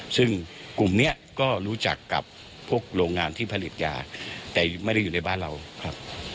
ซึ่งกลุ่มนี้ก็รู้จักกับพวกโรงงานที่ผลิตยาแต่ไม่ได้อยู่ในบ้านเราครับ